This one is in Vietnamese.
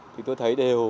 thì tôi thấy đều